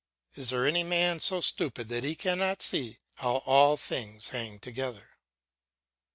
Is there any man so stupid that he cannot see how all this hangs together?